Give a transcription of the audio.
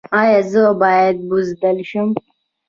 ایا زه باید بزدل شم؟